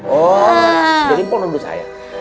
oh jadi pun menurut saya